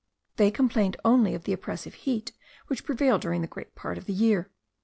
They complained only of the oppressive heat which prevailed during a great part of the year.